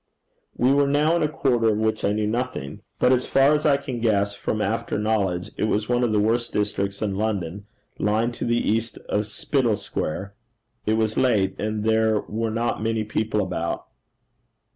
We were now in a quarter of which I knew nothing, but as far as I can guess from after knowledge, it was one of the worst districts in London, lying to the east of Spital Square. It was late, and there were not many people about.